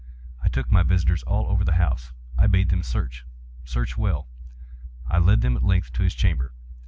I took my visitors all over the house. I bade them search—search well. I led them, at length, to his chamber.